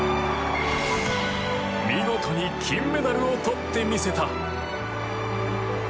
見事に金メダルを取ってみせた。